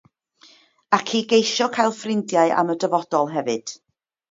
Ac i geisio cael ffrindiau am y dyfodol hefyd.